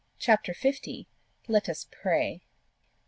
CHAPTER XVII. LET US PRAY!